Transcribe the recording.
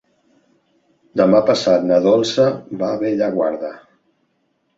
Demà passat na Dolça va a Bellaguarda.